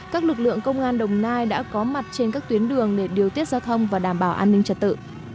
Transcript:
các lực lượng công an đồng nai đã có mặt trên các tuyến đường để điều tiết giao thông và đảm bảo an ninh trật tự